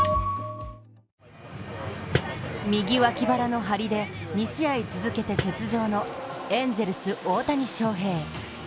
右脇腹の張りで、２試合続けて欠場のエンゼルス・大谷翔平。